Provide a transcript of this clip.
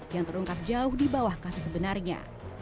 yang terungkap jauh di bawah kasus sebenarnya